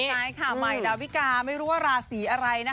ใช่ค่ะไหมดาวิกาไม่รู้ละราศีอะไร